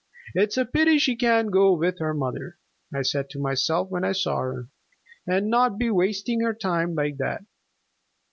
'It's a pity she can't go with her mother,' I said to myself when I saw her, 'and not be wasting her time like that.